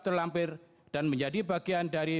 terlampir dan menjadi bagian dari